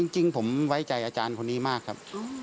จริงผมไว้ใจอาจารย์คนนี้มากครับ